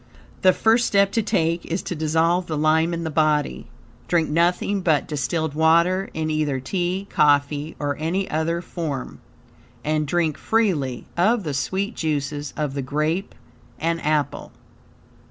The first step to take is to dissolve the lime in the body. Drink nothing but distilled water, in either tea, coffee, or any other form, and drink freely of the sweet juices of the grape and apple.